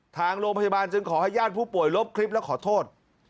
ทางโรงพยาบาลจึงขอให้ญาติผู้ป่วยลบคลิปและขอโทษ